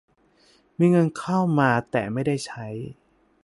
มีเงินเข้ามาแต่ไม่ได้ใช้